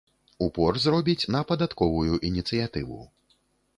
Упор зробіць на падатковую ініцыятыву.